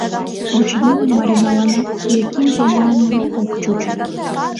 Очыни, Мариналанат Яким томамын ок чуч.